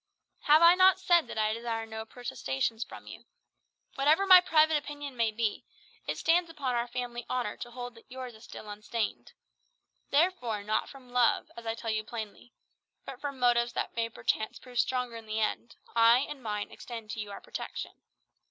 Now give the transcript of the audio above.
"Have I not said that I desire no protestations from you? Whatever my private opinion may be, it stands upon our family honour to hold that yours is still unstained. Therefore, not from love, as I tell you plainly, but from motives that may perchance prove stronger in the end, I and mine extend to you our protection.